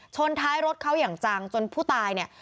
ชนท้ายรถเขาอย่างจังจนผู้ตายเนี่ย